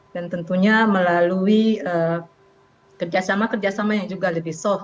dan tentunya melalui kerjasama kerjasama yang juga lebih soft